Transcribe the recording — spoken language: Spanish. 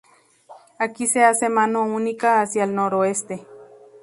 Aquí se hace mano única hacia el noroeste.